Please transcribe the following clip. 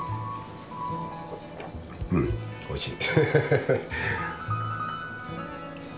うんおいしい。